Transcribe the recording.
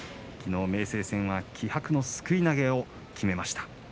きのう明生戦は気迫のすくい投げを決めました。